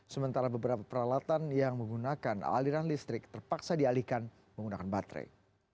sementara beberapa peralatan yang menggunakan aliran listrik terpaksa dialihkan menggunakan baterai